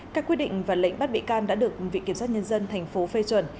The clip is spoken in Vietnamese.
các quy định và lệnh bắt bị can đã được vị kiểm sát nhân dân tp phê chuẩn